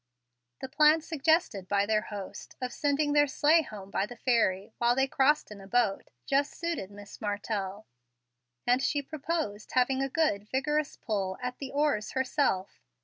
The plan suggested by their host, of sending their sleigh home by the ferry, while they crossed in a boat, just suited Miss Martell, and she proposed having a good vigorous pull at the oars herself.